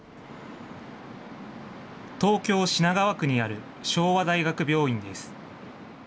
東京・品川区にある昭和大学病院です。